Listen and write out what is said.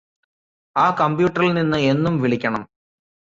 ആ കമ്പ്യൂട്ടറിൽ നിന്ന് എന്നും വിളിക്കണം